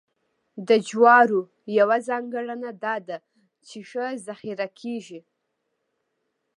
د جوارو یوه ځانګړنه دا ده چې ښه ذخیره کېږي.